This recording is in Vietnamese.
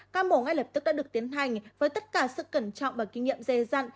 ca mổ ngay lập tức đã được tiến hành với tất cả sự cẩn trọng và kinh nghiệm dê dặn